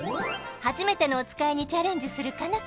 はじめてのおつかいにチャレンジする佳奈